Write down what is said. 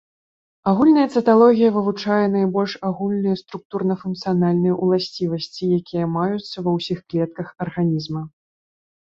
Агульная цыталогія вывучае найбольш агульныя структурна-функцыянальныя ўласцівасці, якія маюцца ва ўсіх клетках арганізма.